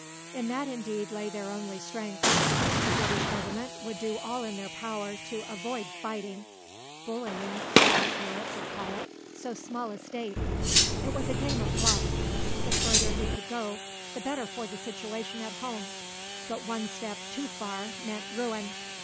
In that indeed lay their only strength. The British Government would do all in their power to avoid fighting (bullying, polite Europe would call it) so small a State. It was a game of bluff; the further he could go, the better for the situation at home, but one step too far meant ruin.